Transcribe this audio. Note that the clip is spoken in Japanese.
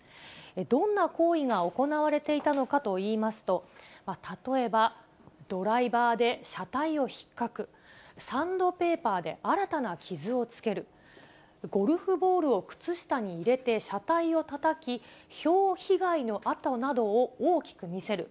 どんな行為が行われていたのかといいますと、例えばドライバーで車体をひっかく、サンドペーパーで新たな傷をつける、ゴルフボールを靴下に入れて車体をたたき、ひょう被害の跡などを大きく見せる。